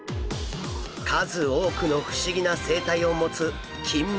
数多くの不思議な生態を持つキンメダイ。